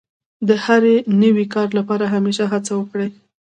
د هر نوي کار لپاره همېشه هڅه وکړئ.